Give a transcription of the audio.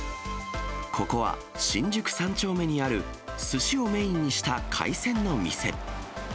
ここは新宿三丁目にあるすしをメインにした海鮮の店。